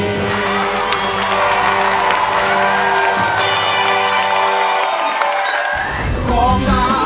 เพลงพร้อมร้องได้ให้ล้าน